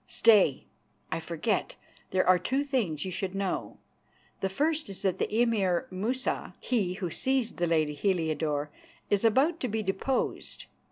Stay, I forget. There are two things you should know. The first is that the Emir Musa, he who seized the lady Heliodore, is about to be deposed.